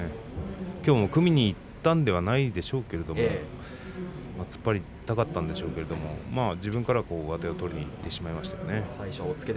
きょうも組みにいったんじゃないんでしょうが突っ張りたかったんでしょうが自分から上手を取りにいってしまいましたね。